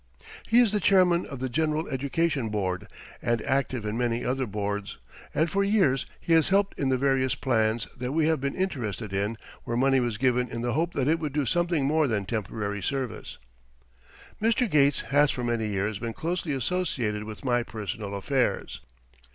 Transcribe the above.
He is the chairman of the General Education Board and active in many other boards, and for years he has helped in the various plans that we have been interested in where money was given in the hope that it would do something more than temporary service. Mr. Gates has for many years been closely associated with my personal affairs.